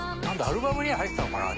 アルバムには入ってたのかな？